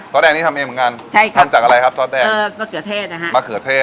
ซอสแดงนี้ทำเองเหมือนกันใช่ครับทำจากอะไรครับซอสแดงเออมะเขือเทศนะฮะ